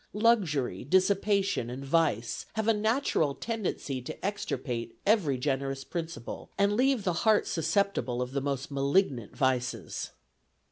Luxury, dissipation, and vice, have a natural tendency to extirpate every generous principle, and leave the heart susceptible of the most malignant vices."